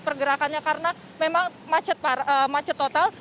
karena memang macet total